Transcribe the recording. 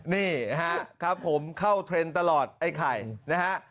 นี่นะครับผมเข้าเทรนด์ตลอดไอ้ไข่นะฮะ